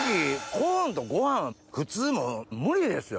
コーンとご飯普通もう無理ですよ。